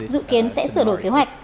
dự kiến sẽ sửa đổi kế hoạch